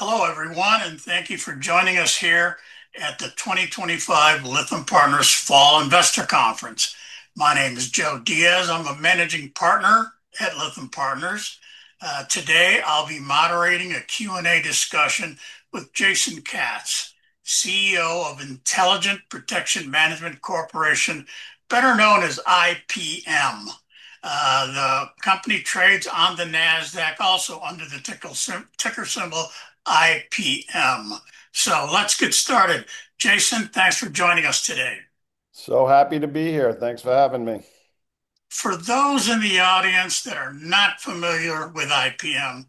Hello everyone, and thank you for joining us here at the 2025 Lytham Partners Fall Investor Conference. My name is Joe Diaz. I'm a Managing Partner at Lithium Partners. Today I'll be moderating a Q&A discussion with Jason Katz, CEO of Intelligent Protection Management Corporation, better known as IPM. The company trades on the NASDAQ, also under the ticker symbol IPM. Let's get started. Jason, thanks for joining us today. Happy to be here. Thanks for having me. For those in the audience that are not familiar with Intelligent Protection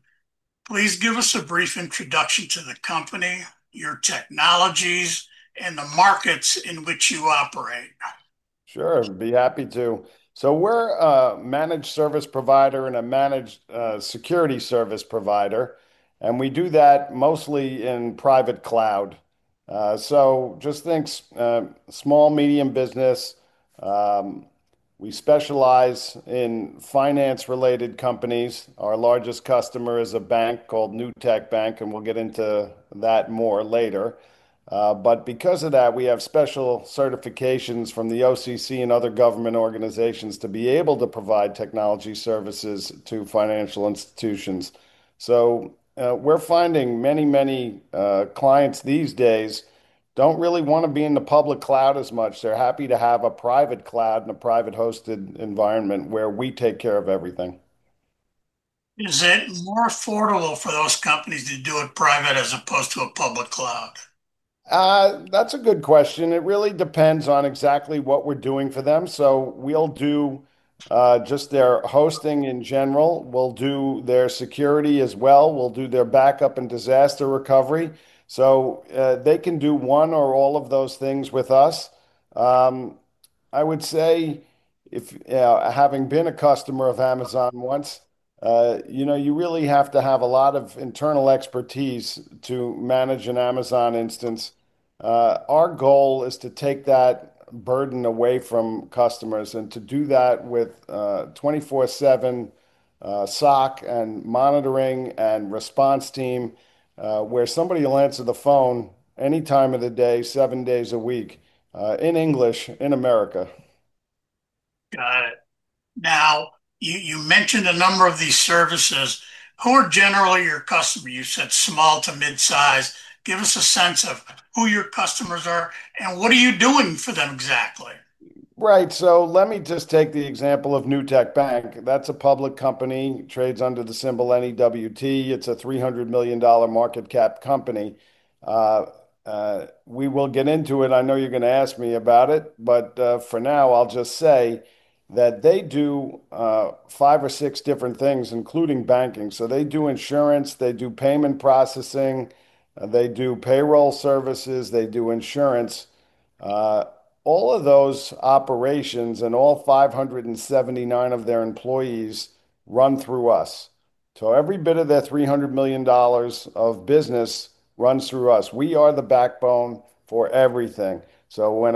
Management Corporation, please give us a brief introduction to the company, your technologies, and the markets in which you operate. Sure, I'd be happy to. We're a managed service provider and a managed security service provider, and we do that mostly in private cloud. Just things, small, medium business. We specialize in finance-related companies. Our largest customer is a bank called Newtek Bank, and we'll get into that more later. Because of that, we have special certifications from the OCC and other government organizations to be able to provide technology services to financial institutions. We're finding many, many clients these days don't really want to be in the public cloud as much. They're happy to have a private cloud and a private-hosted environment where we take care of everything. Is it more affordable for those companies to do it private as opposed to a public cloud? That's a good question. It really depends on exactly what we're doing for them. We'll do just their hosting in general, we'll do their security as well, and we'll do their backup and disaster recovery. They can do one or all of those things with us. I would say, having been a customer of Amazon once, you really have to have a lot of internal expertise to manage an Amazon instance. Our goal is to take that burden away from customers and to do that with 24/7 SOC and monitoring and response team, where somebody will answer the phone any time of the day, seven days a week, in English, in America. Got it. Now, you mentioned a number of these services. Who are generally your customers? You said small to mid-size. Give us a sense of who your customers are and what are you doing for them exactly. Right. Let me just take the example of Newtek Bank. That's a public company. It trades under the symbol NEWT. It's a $300 million market cap company. We will get into it. I know you're going to ask me about it, but for now, I'll just say that they do five or six different things, including banking. They do insurance, they do payment processing, they do payroll services, they do insurance. All of those operations and all 579 of their employees run through us. Every bit of that $300 million of business runs through us. We are the backbone for everything. When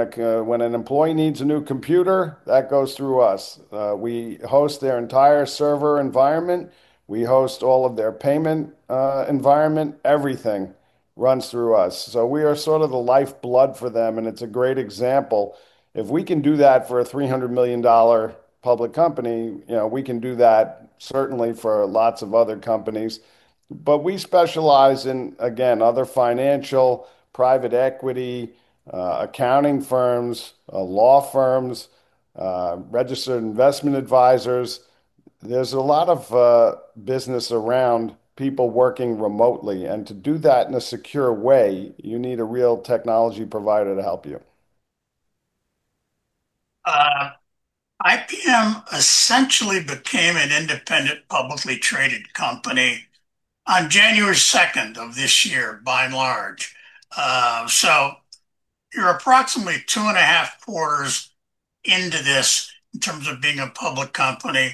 an employee needs a new computer, that goes through us. We host their entire server environment. We host all of their payment environment. Everything runs through us. We are sort of the lifeblood for them, and it's a great example. If we can do that for a $300 million public company, you know, we can do that certainly for lots of other companies. We specialize in, again, other financial, private equity, accounting firms, law firms, registered investment advisors. There's a lot of business around people working remotely. To do that in a secure way, you need a real technology provider to help you. IPM essentially became an independent publicly traded company on January 2nd of this year, by and large. So you're approximately two and a half quarters into this in terms of being a public company.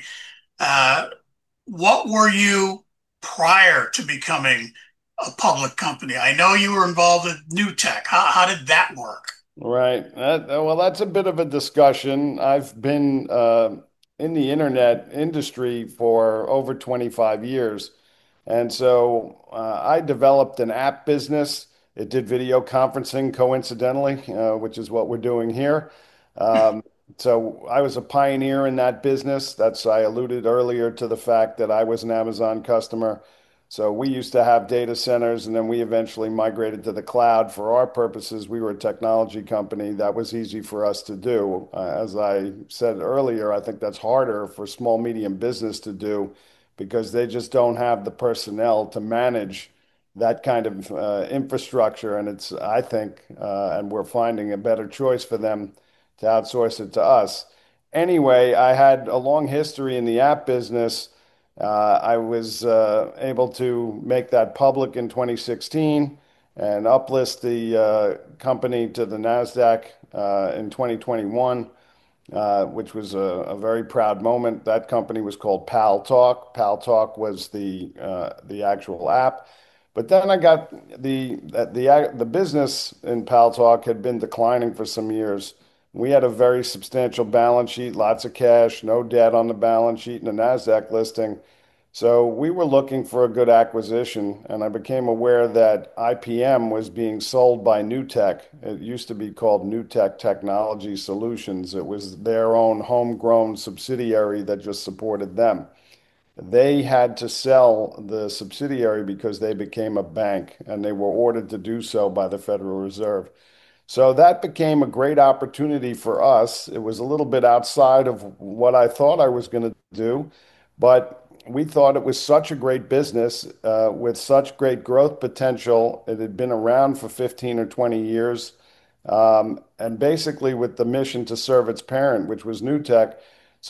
What were you prior to becoming a public company? I know you were involved with Newtek. How did that work? Right. That's a bit of a discussion. I've been in the internet industry for over 25 years. I developed an app business. It did video conferencing, coincidentally, which is what we're doing here. I was a pioneer in that business. I alluded earlier to the fact that I was an Amazon customer. We used to have data centers, and then we eventually migrated to the cloud for our purposes. We were a technology company. That was easy for us to do. As I said earlier, I think that's harder for small-medium business to do because they just don't have the personnel to manage that kind of infrastructure. I think we're finding a better choice for them to outsource it to us. I had a long history in the app business. I was able to make that public in 2016 and uplist the company to the NASDAQ in 2021, which was a very proud moment. That company was called Paltalk. Paltalk was the actual app. I got the business in PalTalk, which had been declining for some years. We had a very substantial balance sheet, lots of cash, no debt on the balance sheet, and a NASDAQ listing. We were looking for a good acquisition, and I became aware that IPM was being sold by Newtek. It used to be called Newtek Technology Solutions. It was their own homegrown subsidiary that just supported them. They had to sell the subsidiary because they became a bank, and they were ordered to do so by the Federal Reserve. That became a great opportunity for us. It was a little bit outside of what I thought I was going to do, but we thought it was such a great business with such great growth potential. It had been around for 15 or 20 years, basically with the mission to serve its parent, which was NewtekOne.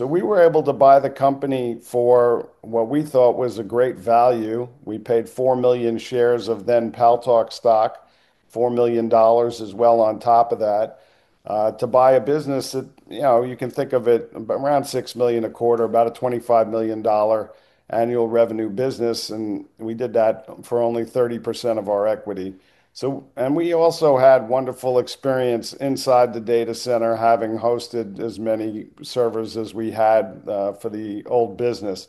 We were able to buy the company for what we thought was a great value. We paid 4 million shares of then Paltalk stock, $4 million as well on top of that, to buy a business that, you know, you can think of it around $6 million a quarter, about a $25 million annual revenue business. We did that for only 30% of our equity. We also had wonderful experience inside the data center, having hosted as many servers as we had for the old business.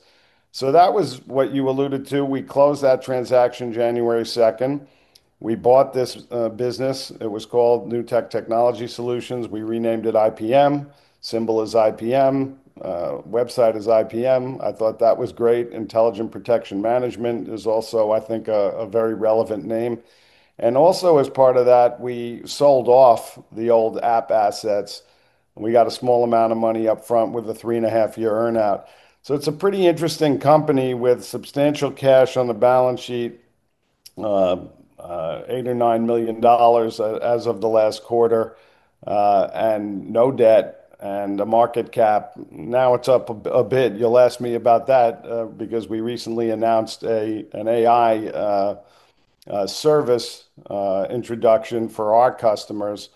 That was what you alluded to. We closed that transaction January 2nd. We bought this business. It was called Newtek Technology Solutions. We renamed it IPM. Symbol is IPM. Website is IPM. I thought that was great. Intelligent Protection Management is also, I think, a very relevant name. Also as part of that, we sold off the old app assets. We got a small amount of money up front with a three and a half year earnout. It's a pretty interesting company with substantial cash on the balance sheet, $8 or $9 million as of the last quarter, and no debt. The market cap, now it's up a bit. You'll ask me about that, because we recently announced an AI service introduction for our customers.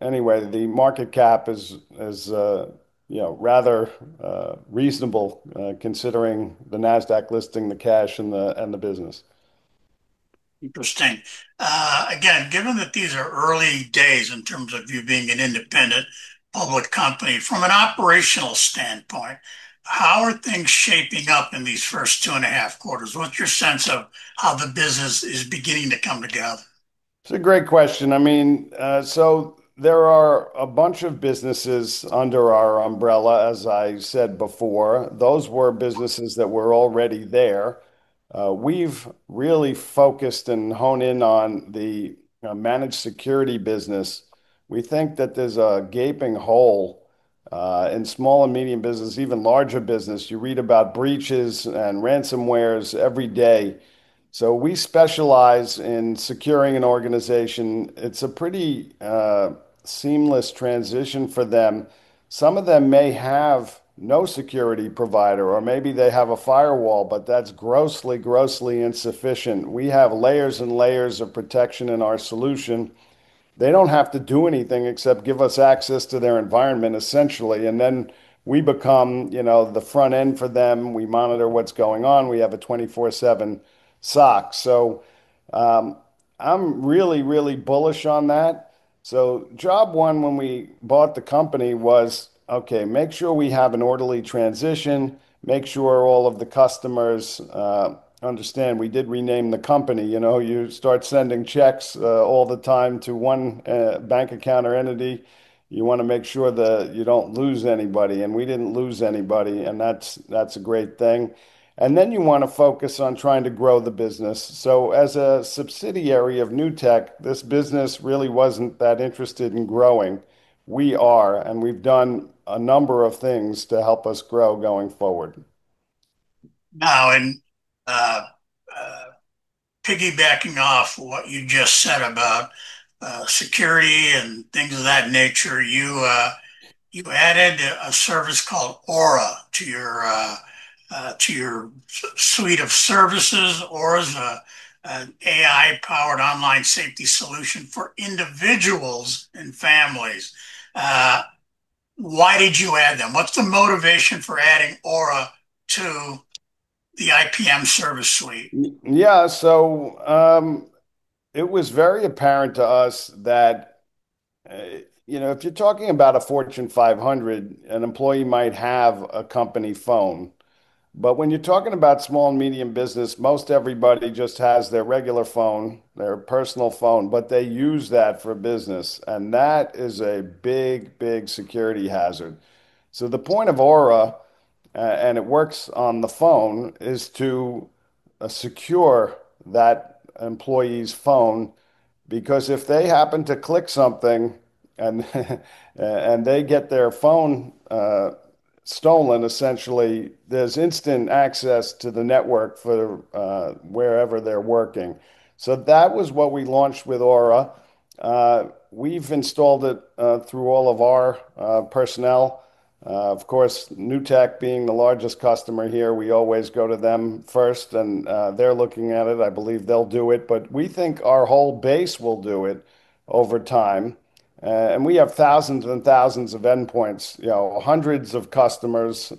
Anyway, the market cap is, you know, rather reasonable, considering the NASDAQ listing, the cash, and the business. Interesting. Again, given that these are early days in terms of you being an independent public company, from an operational standpoint, how are things shaping up in these first two and a half quarters? What's your sense of how the business is beginning to come together? It's a great question. I mean, there are a bunch of businesses under our umbrella, as I said before. Those were businesses that were already there. We've really focused and honed in on the, you know, managed security business. We think that there's a gaping hole in small and medium business, even larger business. You read about breaches and ransomwares every day. We specialize in securing an organization. It's a pretty seamless transition for them. Some of them may have no security provider, or maybe they have a firewall, but that's grossly, grossly insufficient. We have layers and layers of protection in our solution. They don't have to do anything except give us access to their environment, essentially. Then we become, you know, the front end for them. We monitor what's going on. We have a 24/7 SOC. I'm really, really bullish on that. Job one, when we bought the company, was, okay, make sure we have an orderly transition. Make sure all of the customers understand we did rename the company. You know, you start sending checks all the time to one bank account or entity. You want to make sure that you don't lose anybody, and we didn't lose anybody, and that's a great thing. You want to focus on trying to grow the business. As a subsidiary of NewtekOne, this business really wasn't that interested in growing. We are, and we've done a number of things to help us grow going forward. Now, piggybacking off what you just said about security and things of that nature, you added a service called Aura to your suite of services. Aura is an AI-powered online safety solution for individuals and families. Why did you add them? What's the motivation for adding Aura to the IPM service suite? Yeah, so it was very apparent to us that, you know, if you're talking about a Fortune 500, an employee might have a company phone. When you're talking about small and medium business, most everybody just has their regular phone, their personal phone, but they use that for business, and that is a big, big security hazard. The point of Aura, and it works on the phone, is to secure that employee's phone because if they happen to click something and they get their phone stolen, essentially, there's instant access to the network for wherever they're working. That was what we launched with Aura. We've installed it through all of our personnel. Of course, Newtek being the largest customer here, we always go to them first, and they're looking at it. I believe they'll do it, but we think our whole base will do it over time. We have thousands and thousands of endpoints, you know, hundreds of customers.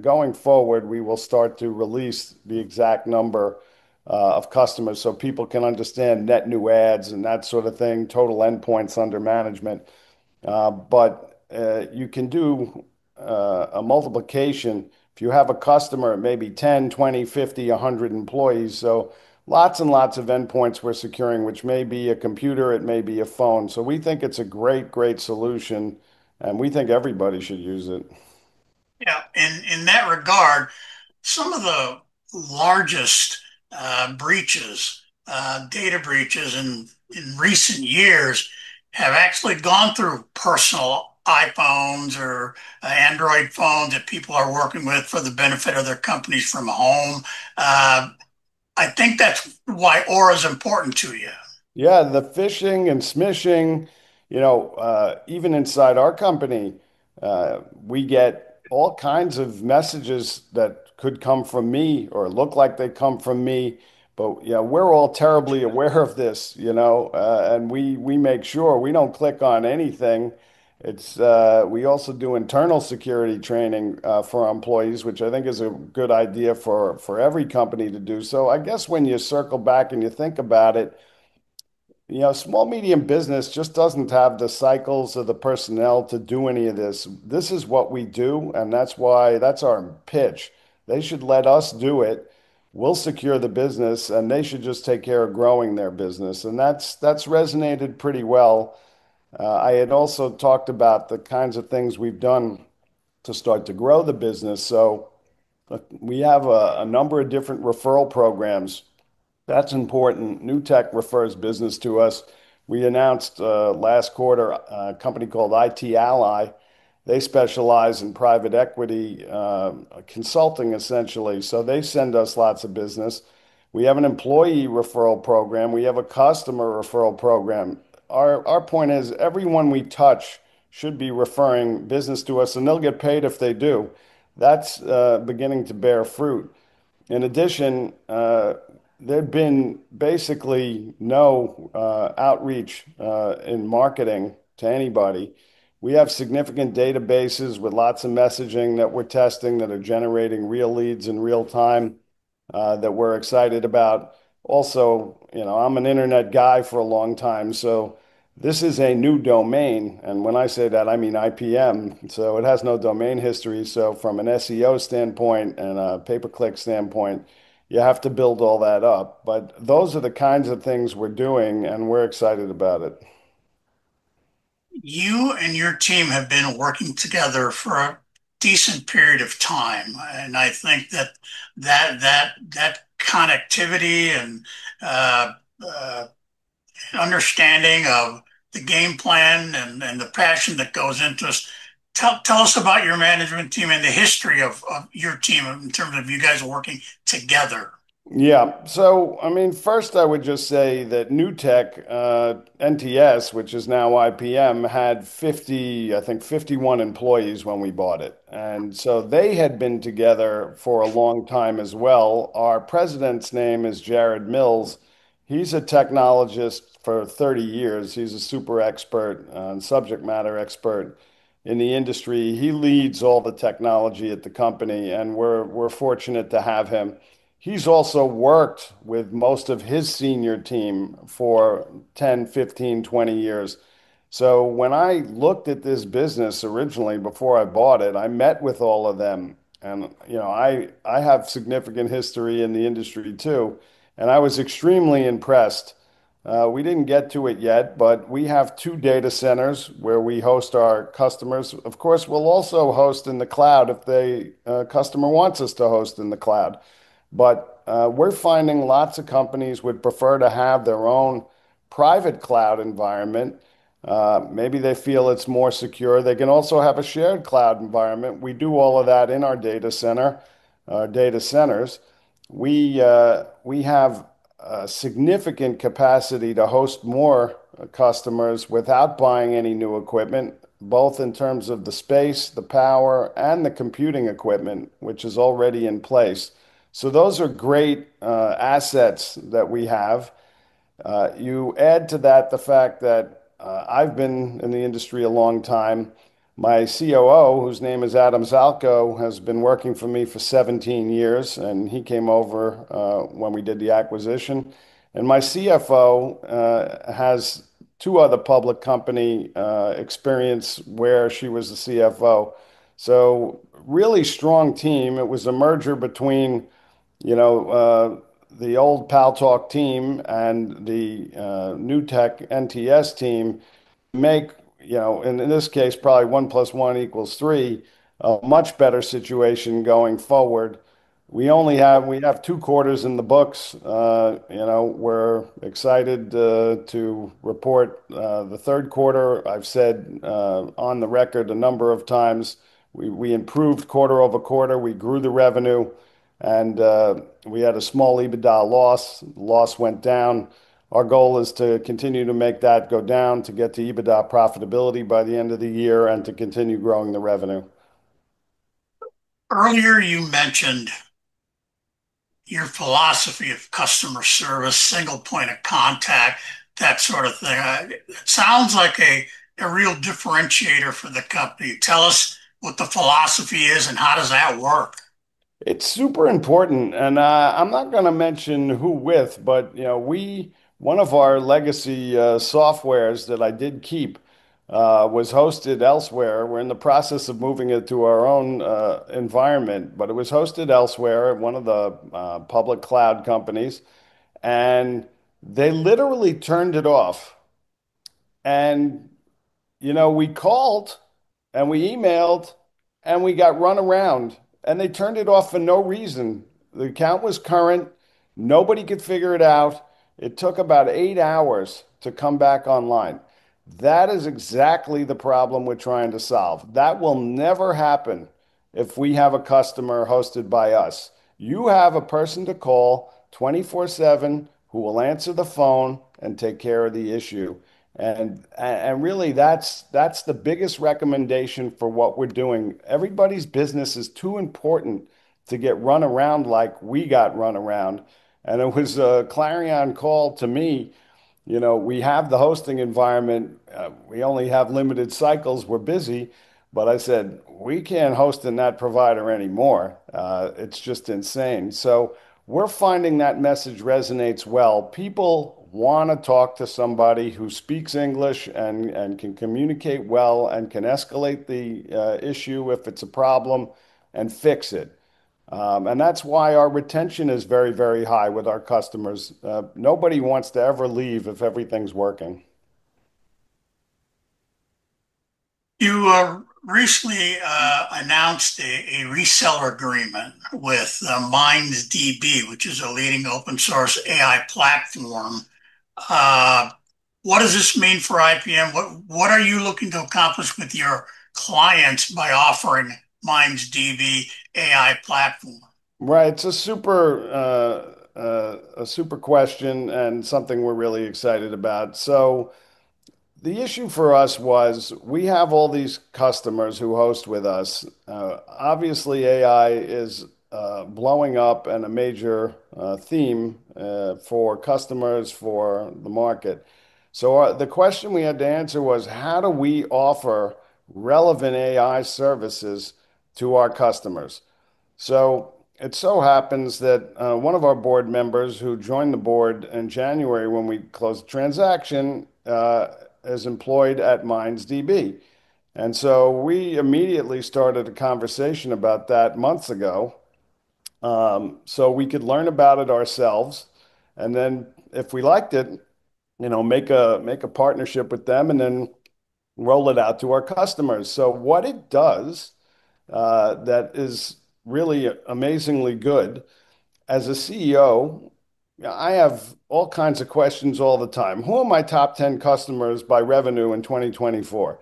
Going forward, we will start to release the exact number of customers so people can understand net new ads and that sort of thing, total endpoints under management. You can do a multiplication. If you have a customer, it may be 10, 20, 50, 100 employees. Lots and lots of endpoints we're securing, which may be a computer, it may be a phone. We think it's a great, great solution, and we think everybody should use it. Yeah, in that regard, some of the largest data breaches in recent years have actually gone through personal iPhones or Android phones that people are working with for the benefit of their companies from home. I think that's why Aura is important to you. Yeah, and the phishing and smishing, you know, even inside our company, we get all kinds of messages that could come from me or look like they come from me, but, you know, we're all terribly aware of this, you know, and we make sure we don't click on anything. We also do internal security training for employees, which I think is a good idea for every company to do. I guess when you circle back and you think about it, small medium business just doesn't have the cycles or the personnel to do any of this. This is what we do, and that's why that's our pitch. They should let us do it. We'll secure the business, and they should just take care of growing their business. That's resonated pretty well. I had also talked about the kinds of things we've done to start to grow the business. We have a number of different referral programs. That's important. Newtek refers business to us. We announced last quarter a company called IT Ally. They specialize in private equity consulting, essentially. They send us lots of business. We have an employee referral program. We have a customer referral program. Our point is everyone we touch should be referring business to us, and they'll get paid if they do. That's beginning to bear fruit. In addition, there'd been basically no outreach in marketing to anybody. We have significant databases with lots of messaging that we're testing that are generating real leads in real time, that we're excited about. Also, you know, I'm an internet guy for a long time, so this is a new domain, and when I say that, I mean IPM, so it has no domain history. From an SEO standpoint and a pay-per-click standpoint, you have to build all that up. Those are the kinds of things we're doing, and we're excited about it. You and your team have been working together for a decent period of time, and I think that connectivity and understanding of the game plan and the passion that goes into this, tell us about your management team and the history of your team in terms of you guys working together. Yeah, so I mean, first I would just say that Newtek Technology Solutions, which is now IPM, had 50, I think 51 employees when we bought it. They had been together for a long time as well. Our President's name is Jared Mills. He's a technologist for 30 years. He's a super expert, subject matter expert in the industry. He leads all the technology at the company, and we're fortunate to have him. He's also worked with most of his senior team for 10, 15, 20 years. When I looked at this business originally before I bought it, I met with all of them, and I have significant history in the industry too, and I was extremely impressed. We didn't get to it yet, but we have two data centers where we host our customers. Of course, we'll also host in the cloud if the customer wants us to host in the cloud. We're finding lots of companies would prefer to have their own private cloud environment. Maybe they feel it's more secure. They can also have a shared cloud environment. We do all of that in our data centers. We have a significant capacity to host more customers without buying any new equipment, both in terms of the space, the power, and the computing equipment, which is already in place. Those are great assets that we have. You add to that the fact that I've been in the industry a long time. My COO, whose name is Adam Zalko, has been working for me for 17 years, and he came over when we did the acquisition. My CFO has two other public company experience where she was the CFO. Really strong team. It was a merger between the old Paltalk team and the Newtek Technology Solutions team. In this case, probably one plus one equals three, a much better situation going forward. We only have, we have two quarters in the books. We're excited to report the third quarter. I've said on the record a number of times, we improved quarter over quarter. We grew the revenue, and we had a small EBITDA loss. Loss went down. Our goal is to continue to make that go down to get to EBITDA profitability by the end of the year and to continue growing the revenue. Earlier, you mentioned your philosophy of customer service, single point of contact, that sort of thing. It sounds like a real differentiator for the company. Tell us what the philosophy is and how does that work. It's super important. I'm not going to mention who with, but, you know, one of our legacy softwares that I did keep was hosted elsewhere. We're in the process of moving it to our own environment, but it was hosted elsewhere at one of the public cloud companies. They literally turned it off. You know, we called and we emailed and we got run around and they turned it off for no reason. The account was current. Nobody could figure it out. It took about eight hours to come back online. That is exactly the problem we're trying to solve. That will never happen if we have a customer hosted by us. You have a person to call 24/7 who will answer the phone and take care of the issue. Really, that's the biggest recommendation for what we're doing. Everybody's business is too important to get run around like we got run around. It was a clarion call to me. You know, we have the hosting environment. We only have limited cycles. We're busy. I said, we can't host in that provider anymore. It's just insane. We're finding that message resonates well. People want to talk to somebody who speaks English and can communicate well and can escalate the issue if it's a problem and fix it. That's why our retention is very, very high with our customers. Nobody wants to ever leave if everything's working. You recently announced a reseller agreement with MindsDB, which is a leading open-source AI platform. What does this mean for IPM? What are you looking to accomplish with your clients by offering the MindsDB AI platform? Right. It's a super, a super question and something we're really excited about. The issue for us was we have all these customers who host with us. Obviously, AI is blowing up and a major theme for customers, for the market. The question we had to answer was how do we offer relevant AI services to our customers? It so happens that one of our board members who joined the board in January when we closed the transaction is employed at MindsDB. We immediately started a conversation about that months ago so we could learn about it ourselves. If we liked it, you know, make a partnership with them and then roll it out to our customers. What it does that is really amazingly good, as a CEO, you know, I have all kinds of questions all the time. Who are my top 10 customers by revenue in 2024?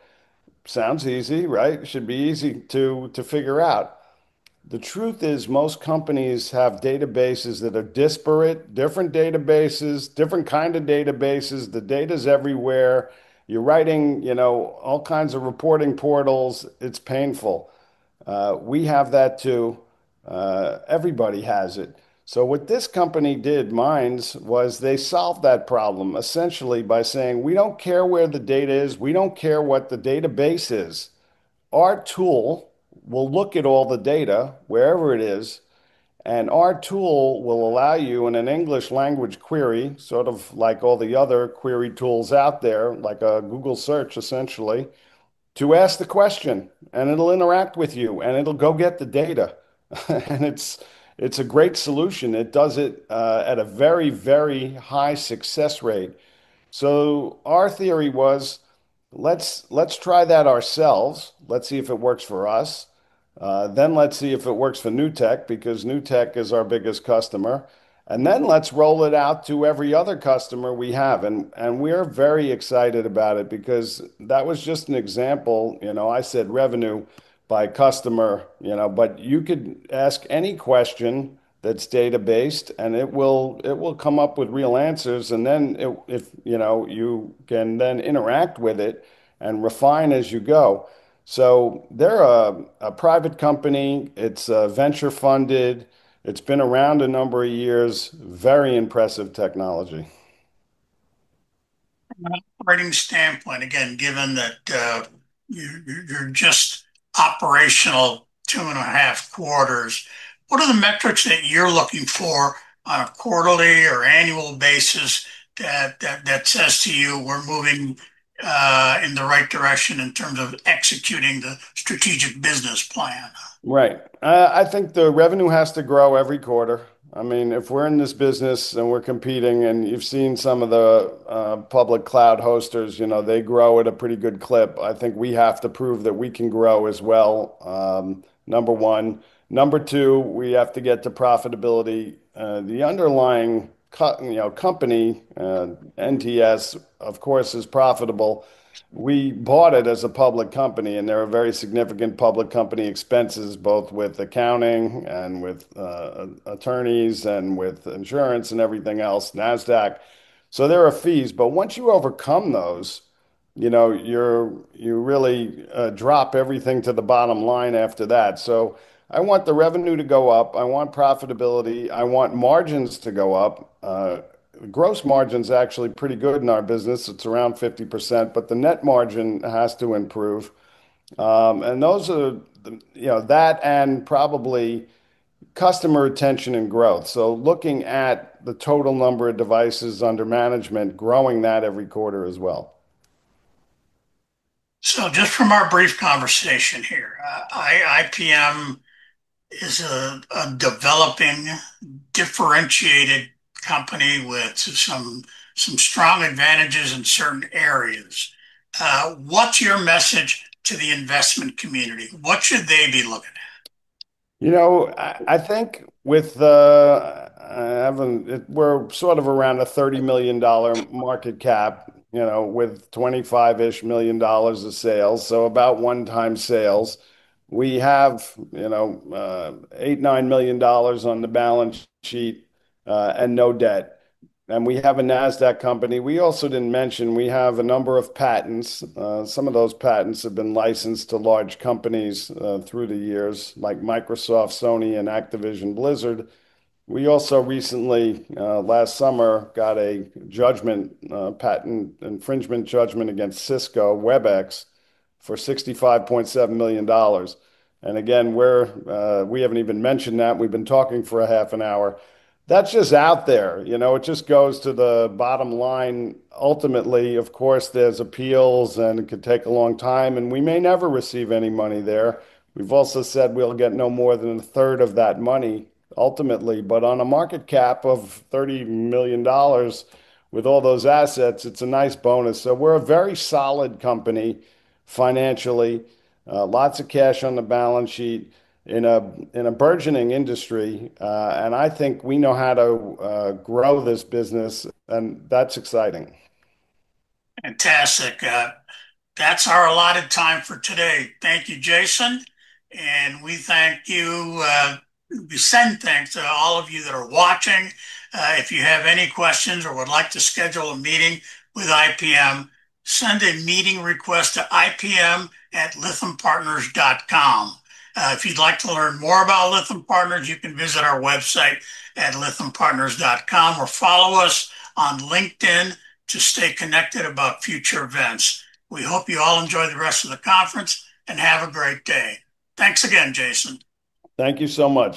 Sounds easy, right? It should be easy to figure out. The truth is most companies have databases that are disparate, different databases, different kinds of databases. The data is everywhere. You're writing, you know, all kinds of reporting portals. It's painful. We have that too. Everybody has it. What this company did, MindsDB, was they solved that problem essentially by saying we don't care where the data is, we don't care what the database is. Our tool will look at all the data, wherever it is, and our tool will allow you in an English language query, sort of like all the other query tools out there, like a Google search essentially, to ask the question, and it'll interact with you, and it'll go get the data. It's a great solution. It does it at a very, very high success rate. Our theory was, let's try that ourselves. Let's see if it works for us. Let's see if it works for Newtek because Newtek is our biggest customer. Let's roll it out to every other customer we have. We're very excited about it because that was just an example. I said revenue by customer, you know, but you could ask any question that's databased, and it will come up with real answers. If you know, you can then interact with it and refine as you go. They're a private company. It's venture funded. It's been around a number of years. Very impressive technology. From a marketing standpoint, given that you're just operational two and a half quarters, what are the metrics that you're looking for on a quarterly or annual basis that says to you we're moving in the right direction in terms of executing the strategic business plan? Right. I think the revenue has to grow every quarter. I mean, if we're in this business and we're competing, and you've seen some of the public cloud hosters, you know, they grow at a pretty good clip. I think we have to prove that we can grow as well. Number one. Number two, we have to get to profitability. The underlying company, NTS, of course, is profitable. We bought it as a public company, and there are very significant public company expenses, both with accounting and with attorneys and with insurance and everything else, NASDAQ. There are fees, but once you overcome those, you really drop everything to the bottom line after that. I want the revenue to go up. I want profitability. I want margins to go up. Gross margin is actually pretty good in our business. It's around 50%, but the net margin has to improve. Those are, you know, that and probably customer retention and growth. Looking at the total number of devices under management, growing that every quarter as well. From our brief conversation here, IPM is a developing, differentiated company with some strong advantages in certain areas. What's your message to the investment community? What should they be looking at? I think we're sort of around a $30 million market cap, with $25 million of sales, so about one-time sales. We have $8 million-$9 million on the balance sheet, and no debt. We have a NASDAQ company. We also didn't mention we have a number of patents. Some of those patents have been licensed to large companies through the years, like Microsoft, Sony, and Activision Blizzard. We also recently, last summer, got a patent infringement judgment against Cisco WebEx for $65.7 million. We haven't even mentioned that. We've been talking for a half an hour. That's just out there. It just goes to the bottom line. Ultimately, of course, there's appeals, and it could take a long time, and we may never receive any money there. We've also said we'll get no more than a third of that money ultimately, but on a market cap of $30 million with all those assets, it's a nice bonus. We're a very solid company financially, lots of cash on the balance sheet in a burgeoning industry, and I think we know how to grow this business, and that's exciting. Fantastic. That's our allotted time for today. Thank you, Jason, and we thank you, send thanks to all of you that are watching. If you have any questions or would like to schedule a meeting with IPM, send a meeting request to IPM at lythampartners.com. If you'd like to learn more about Lytham Partners, you can visit our website at lythampartners.com or follow us on LinkedIn to stay connected about future events. We hope you all enjoy the rest of the conference and have a great day. Thanks again, Jason. Thank you so much.